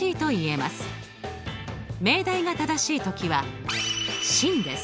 命題が正しい時は真です。